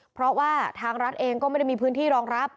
เพราะว่าทางรัฐเองก็ไม่ได้มีพื้นที่รองรับ